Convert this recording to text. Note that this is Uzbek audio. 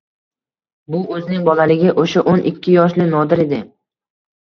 Bu o‘zining bolaligi, o‘sha, o‘n ikki yoshli Nodir edi.